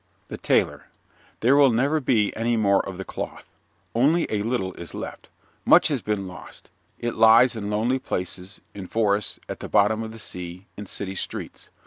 THE TAILOR There will never be any more of the cloth. Only a little is left. Much has been lost. It lies in lonely places, in forests, at the bottom of the sea, in city streets.